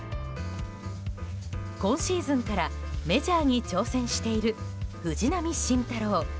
今シーズンからメジャーに挑戦している藤浪晋太郎。